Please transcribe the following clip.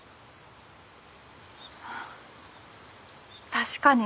確かに。